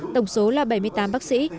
tổng số là bảy mươi tám bác sĩ